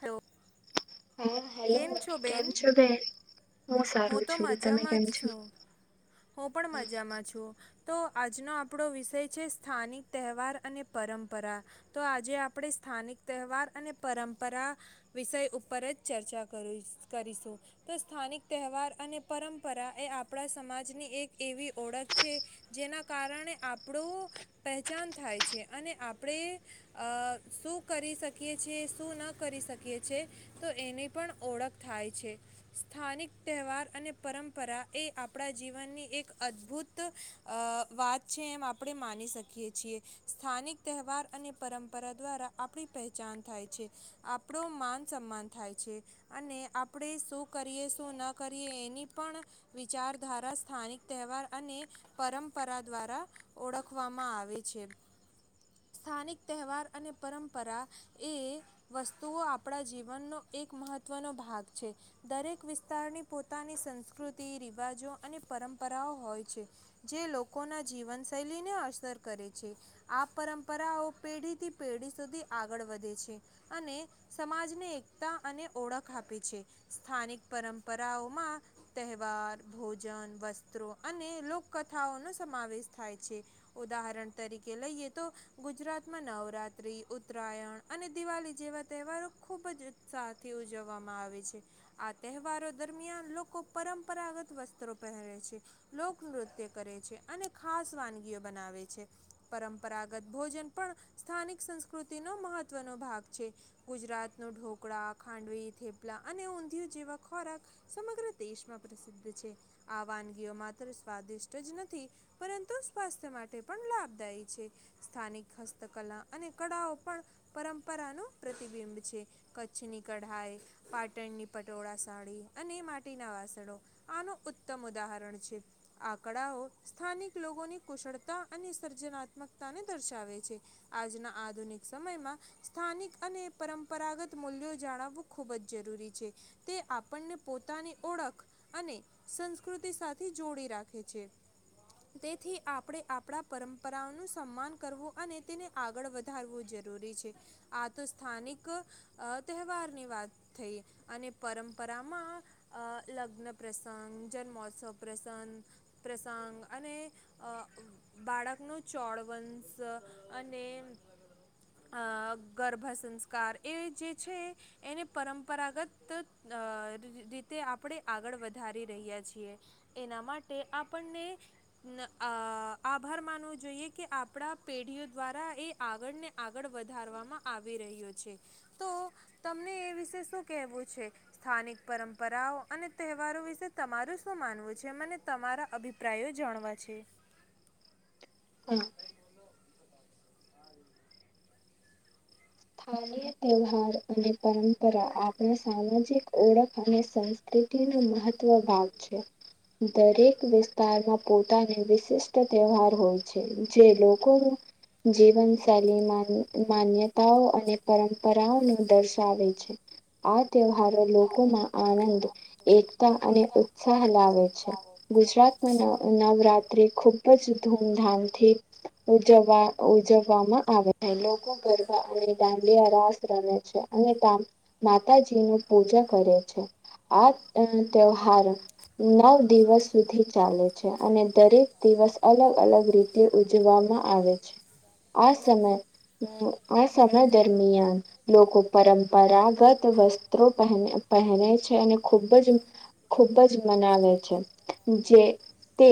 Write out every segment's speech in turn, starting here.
Hello. હા hello કેમ છો બેન. હું તો મજામાં જ છું હું પણ મજામાં છું. તો આજનો આપણો વિષય છે સ્થાનિક તહેવાર અને પરંપરા તો આજે આપણે સ્થાનિક તહેવાર અને પરંપરા વિષય ઉપર જ ચર્ચા કરી કરીશું તો સ્થાનિક તહેવાર અને પરંપરા એ આપણા સમાજની એક એવી ઓળખ છે જેના કારણે આપણું પહેચાન થાય છે અને આપણે શું કરી શકીએ છ છેએ શું ન કરી શકીએ છી તો એની પણ ઓળખ થાય છે સ્થાનિક તહેવાર અને પરંપરા એ આપણા જીવનની એક અદ્ભુત વાત છે એમ આપણે માની શકીએ છીએ સ્થાનિક તહેવાર અને પરંપરા દ્વારા આપણી પહેચાન થાય છે આપણું માન સન્માન થાય છે અને આપણે શું કરીએ શું ન એની પણ વિચારધારા સ્થાનિક તહેવાર અને પરંપરા દ્વારા ઓળખવામાં આવે છે સ્થાનિક તહેવાર અને પરંપરા એ વસ્તુઓ આપણા જીવનનો એક મહત્વનો ભાગ છે દરેક વિસ્તારની પોતાની સંસ્કૃતિ રિવાજો અને પરંપરાઓ હોય છે જે લોકોના જીવનશૈલીને અસર કરે છે આ પરંપરાઓ પેઢીથી પેઢી સુધી આગળ વધે છે અને સમાજને એકતા અને ઓળખ આપે છે સ્થાનિક પરં પરંપરાઓમાં તહેવાર ભોજન વસ્ત્રો અને લોકકથાઓનો સમાવેશ થાય છે ઉદાહરણ તરીકે લઈએ તો ગુજરાતમાં નવરાત્રિ ઉત્તરાયણ અને દિવાળી જેવા તહેવારો ખૂબ જ ઉત્સાહથી ઉજવવામાં આવે છે આ તહેવારો દરમિયાન લોકો પરંપરાગત વસ્ત્રો પહેરે છે લોકનૃત્ય કરે છે અને ખાસ વાનગીઓ બનાવે છે પરંપરાગત ભોજન પણ સ્થાનિક સંસ્કૃતિનો મહત્ત્વનો ભાગ છે ગુજરાતનો ઢોકળા ખાંડવી થેપલા અને ઊંધિયું જેવા ખોરાક સમગ્ર દેશમાં પ્રસિદ્ધ છે. આ વાનગીઓ માત્ર સ્વાદિષ્ટ જ નથી પરંતુ સ્વાસ્થ્ય માટે પણ લાભદાયી છે. સ્થાનિક હસ્તકલા અને કળાઓ પણ પરંપરાનું પ્રતિબિંબ છે. કચ્છની કઢાઈ, પાટણની પટોળા સાડી અને માટીના વાસણો આનું ઉત્તમ ઉદાહરણ છે. આ કળાઓ સ્થાનિક લોકોની કુશળતા અને સર્જનાત્મકતાને દર્શાવે છે. આજના આધુનિક સમયમાં સ્થાનિક અને પરંપરાગત મૂલ્યો જાળવવું ખૂબ જ જરૂરી છે. તે આપ પળને પોતાની ઓળખ અને સંસ્કૃતિ સાથે જોડી રાખે છે. તેથી આપળે આપળા પરંપરાઓનું સન્માન કરવું અને તેને આગળ વધારવું જરૂરી છે. આ તો સ્થાનિક અ તહેવારની વાત થઈ અને પરમ પરામાં અ લગ્ન પ્રસંગ, જન્મોત્સવ પ્રસન પ્રસંગ અને અ બાળકનો ચોળ વંશ અને અ ગર્ભ સંસ્કાર એ જે છે એને પરંપરાગત અ રી રીતે આપળે આગળ વધારી રહ્યા છીએ. એના માટે આપણને ન અ આભાર માનવું જોઈએ કે આપળા પેઢીઓ દ્વારા એ આગળને આગળ વધારવામાં આવી રહ્યો છે. તો તમને એ વિશે શું કેહવું છે? સ્થાનિક પરંપરાઓ અને તહેવારો વિશે તમારું શું માનવું છે? મને તમારા અભિપ્રાયો જાણવા છે. હા. સ્થાન્ય તહેવાર અને પરંપરા આપણા સામાજિક ઓળખ અને સંસ્કૃતિનું મહત્વ ભાગ છે. દરેક વિસ્તારમાં પોતાની વિશિષ્ટ તહેવાર હોય છે. જે લોકોનું જીવનશૈલી માન્ માન્ય તાઓ અને પરંપરાઓનો દર્શાવે છે. આ તહેવારો લોકોમાં આનંદ, એકતા અને ઉત્સાહ લાવે છે. ગુજરાતમાં ન નવરાત્રી ખુબ જ ધૂમધામથી ઉજવવા ઉજવવામાં [unintelligible] લોકો ગર બા અને દાંડિયા રાસ રમે છે અને તા માતાજીનું પૂજા કરે છે. આ અ તહેવાર નવ દિવસ સુધી ચાલે છે અને દરેક દિવસ અલગ અલગ રીતે ઉજવામાં આવે છે. આ સમય [unintelligible] આ સમય દરમિયાન લોકો પરંપરાગત વસ્ત્રો પહેન પહેરે છે અને ખૂબ જ ખૂબ જ મનાવે છે. જે તે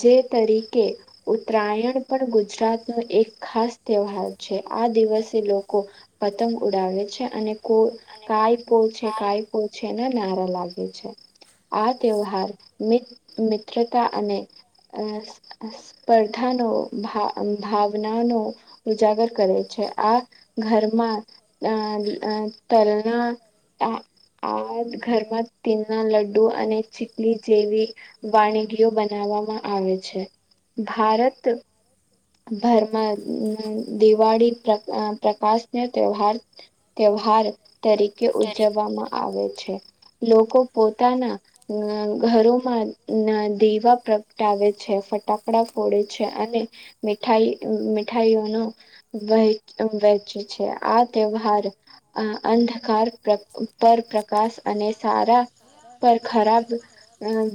જે તરીકે ઉત્તરાયણ પણ ગુજરાતનો એક ખાસ તહેવાર છે. આ દિવસે લોકો પતંગ ઉડાવે છે અને કો કાયપો છે કાયપો છે ના નારા લાગે છે. આ તહેવાર મી મિત્રતા અને અસ સ્પર્ધાનો ભા ભાવનાનો ઉજાગર કરે છે. આ ઘરમાં અં અ તલના આ આ ઘરમાં તીલના લડ્ડુ અને ચીકલી જેવી વાણીગીઓ બનાવામાં આવે છે. ભારત ભરમાં દિવાળી પ્ર પ્રકાશન તવાર તહેવાાર તરીકે ઉજવવામાં આવે લોકો પોતાના ઘરોમાં દીવા પ્રગટાવે છે ફટાકડા ફોડે છે અને મીઠાઈ મીઠાઈઓનો વ વહેચે છે આ તહેવાર અંધકાર પર પ્રકાશ અને સારા પર ખરાબ ન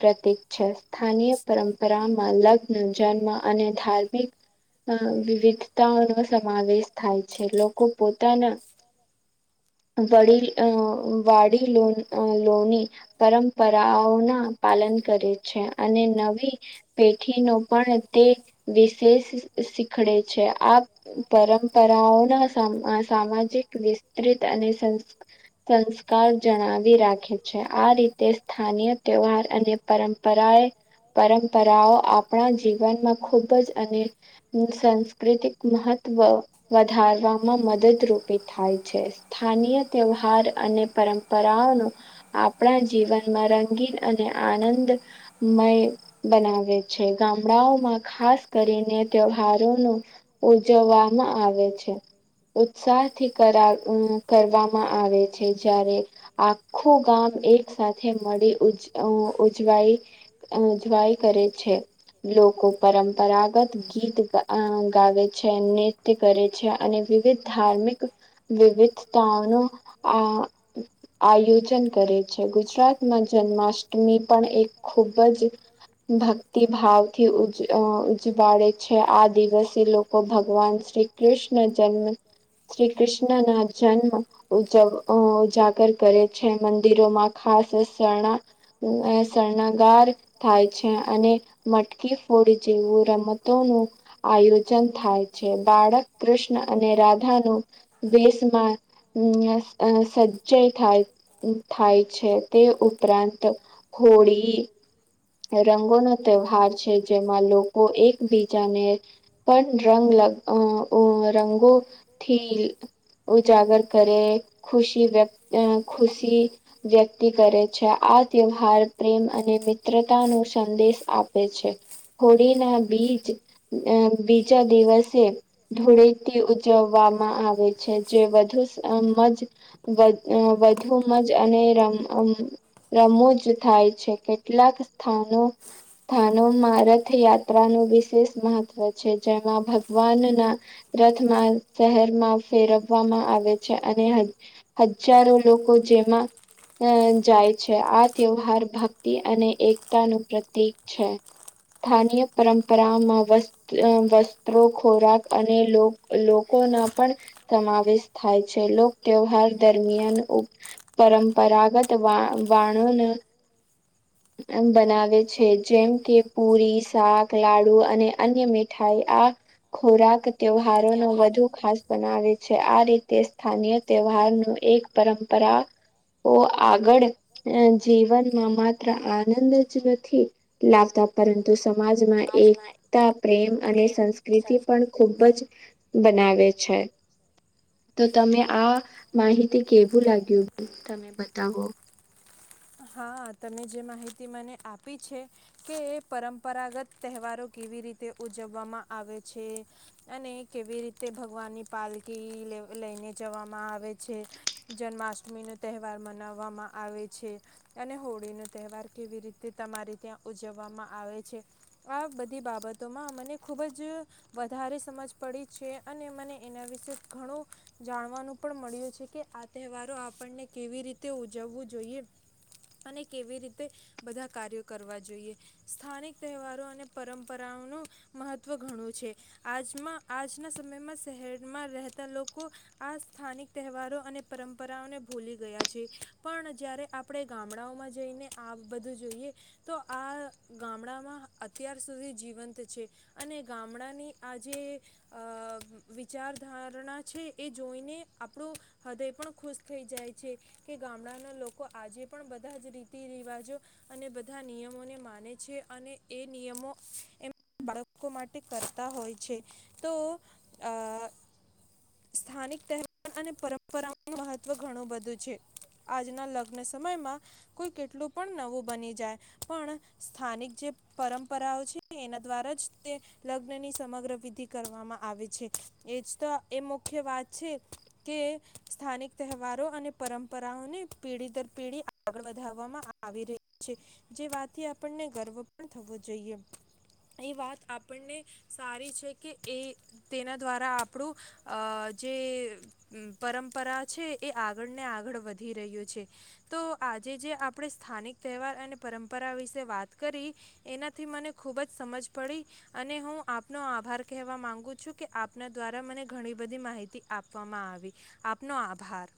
પ્રતિક છે સ્થાનીય પરંપરામાં લગ્ન જન્મ અને ધાર્મિક વિવિધ નો સમાવેશ થાય છે લોકો પોતાના વડી વાડી લો લોની પરંપરાઓના પાલન કરે છે અને નવી પેઠી ન પણ તે જે સીખડે છે પરંપરાઓના સામાજિક વિસ્તત અને સંસ્કાર જણાવી રાખે છે આ રીતે સ્થનીય તહેવાર અને પરંપરાએ પરંપરાઓ આપણા જીવનમાં ખૂબ ખબ જ અને પ્રાકતિક મહત્વ વધારવામાં મદદરૂૂપી થાય છે સ્થાનીય તહેવાર અને પરંપરાઓનો આપણા જીવનમાં રંગીન અને આનંદમય બનાવે છે ગામડાઓમાં ખાસ કરીને તહેવારોનો ઉજવવામાં આવે છે ઉત્સાહથી કર કરવામાં આવે છે જ્યારે આખું ગામ એક સાથે મળી ઉ ઉજવાઈ ઉજવાઈ કરે છે લોકો પરંપરાગત ગીત નૃત્ય કરે છે અને વિવિધ ધાર્મિક વિવિધતાઓ ન આ આયોજન કરે છે ગુજરાતમાં જન્માષ્ટમી પણ એક ખુબ જ ભક્તિભાવથી ઉ ઉજવાડે છે આ દિવસ તે લો તો ભગવાન શ્રી કૃષ્ણ જન્મ શ્રી કૃષ્ણ ના જન્મ ઉજ ઉજાગર કરે છે મંદિરોમાં ખાસ શર શરણાગાર થાય છે અને મટકી ફોડ જેવું રમતોનું આયો થાય છે બાળક કૃષ્ણ અને રાધાનું દેશમાં સજ્જય થાય થાય છે તે ઉપરાંત હોળી રંગોનો તહેવાર છે જેમાં લોકો એકબીજાને ઉ ઉ રંગ રંગોથી ઉજાગર કરે ખુશી વ્ય ખુશી વ્યક્તિ કરે છે આ તહેવાાર પ્રેમ અને મિત્રતાનો સંદેશ આપે છે હોળીના બીજ અ બીજા દિવસે ધૂળેટી ઉજવવામાં આવે છે જે વધુ વધુ જ અનેમ રમ રમુ થાય છે. કેટલાક સ્થાનો સ્થાનોમાં રથયાત્રાનું વિશેષ મહત્વ જેમાં ભગવાનના રથમાં શહેરમાં ફેરવવામાં આવે છે અને હજારો લોકો જેમાં જાય છે આ તહેવાર ભક્તિ અને એકતાનું પ્રતિક છે સ્થાનીય પરંપરામાં વસ અ વસ્ત્રો ખોરાક અને લોકોના પણ સમાવેશ થાય છે લોક તહેવાર દરમિયાન ઉ પરંપરાગત વાણોનું બનાવે છે જેમ કે પુરી, શાક, લાડુ અને ન્ય મીઠાઈ આ ખોરાક તેહવારોનો વધુ ખાસ બનાવે છે આ રીતે સ્થાનીય તહેવારનો એક પરંપરા ઓ આગળ જીવનમાં માત્ર આનંદ જ નથી લાવતા પરંતુ સ સમાજમાં એક પ્રેમ અને સંસ્કૃતિ પણ ખૂબ જ. બનાવે છે તો તમે આ માહિતી કેવું લાગ્યું તમે બતાવો? હા તમે જે માહિતી મને આપી છે કે પરંપરાગત તહેવારો કેવી રીતે ઉજવવામાં આવે છે અને કેવી રીતે ભગવાનની પાલકી લે લઈને જવામાં આવે છે જન્માષ્ટમીનો તહેવાર મનાવવામાં આવે છે. અને હોળીનો તહેવાર કેવી રીતે તમારી ત્યાં ઉજવવામાં આવે છે આ બધી બાબતોમાં મને ખુબ જ વધારે સમજ પડી છે અને મને એના વિશે ઘણું જાણવાનું પણ મળ્યું છેકે આ તહેવારો આપણને કેવી રીતે ઉજવવું જોઈએ. અને કેવી રીતે બધાં કાર્યો કરવા જોઈએ સ્થાનિક તહેવારો અને પરંપરાઓનું મહત્વ ઘણું છે આજમાં આજના સમયમાં શહેરમાં રહેતા લોકો આ સ્થાનિક તહેવારો અને પરંપરાઓને ભૂલી ગયા છે પણ જ્યારે આ આપડે ગામડાઓમાં જઈને આ બધું જોઈએ તો આ ગામડામાં અત્યાર સુધી જીવંત છે અને ગામડાની આ જે વિચારધારણા છે એ જોઈને આપણું હૃદય પણ ખુશ થઈ જાય છે કે ગામડાના લોકો આજે પણ બધા જ રીતિ રિવાજો અને બધા નિયમોને માને છે અને એ નિયમો એમ બાળકો માટે કરતા હોય છે તો આ સ્થાનિક તહેવાર અને પરંપરાનું મહત્વ ઘણું બધું છે આજના લ સમયમાં કોઈ કેટલું પણ નવું બની જાય પણ સ્થાનિક જે પરંપરાઓ છે એના દ્વારા જ તે લગ્નની સમગ્ર વિધિ કરવામાં આવે છે એજ તો એ મુખ્ય વાત છે કે સ્થાનિક તહેવારો અને પરંપરાઓને પીડિ તે પેઢી આગળ વધવામાં આવી રહી છે જે વાતથી આપણને ગર્વ પણ થવો જોઈએ એ વાત આપણને સારી છે કે એ તેના દ્વારા આપણું અ જે પરંપરા છે એ આગળને આગળ વધી રહ્યું છે. તો આજે જે આપણે સ્થાનિક તહેવાર અને પરંપરા વિશે વાત કરી એનાથી મને ખૂબ જ સમજ પડી અને હું આપનો આભાર કહેવા માંગુ છું કે આપના દ્વારા મને ઘણી બધી માહિતી આપવામાં આવી આપનો આભાર.